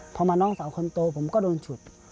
พอมาน้องสาวคนโตผมก็โดนฉุด